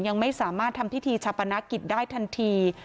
ยังไม่สามารถทำพิธีชาปนกิจได้ทันที